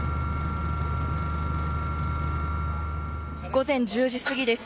午前１０時過ぎです。